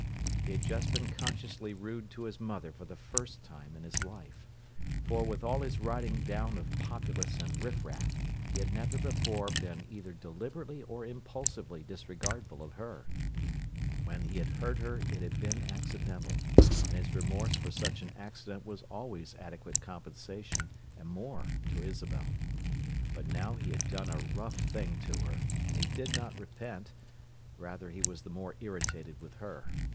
He had just been consciously rude to his mother for the first time in his life; for, with all his riding down of populace and riffraff, he had never before been either deliberately or impulsively disregardful of her. When he had hurt her it had been accidental; and his remorse for such an accident was always adequate compensation—and more—to Isabel. But now he had done a rough thing to her; and he did not repent; rather he was the more irritated with her.